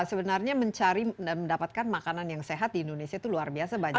sebenarnya mencari dan mendapatkan makanan yang sehat di indonesia itu luar biasa banyak